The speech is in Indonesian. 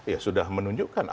ya sudah menunjukkan